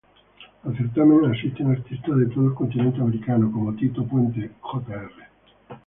Al certamen asisten artistas de todo el continente americano como Tito Puente Jr.